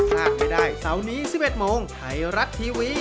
พลาดไม่ได้เสาร์นี้๑๑โมงไทยรัฐทีวี